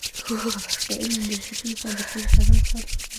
د علم د زده کړي له پاره د کور سامان خرڅ کړئ!